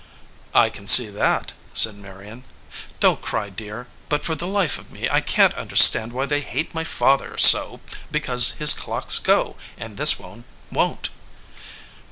"I can see that," said Marion. "Don t cry, dear; but for the life of me, I can t understand why they hate my father so* because his clocks go and this one won t."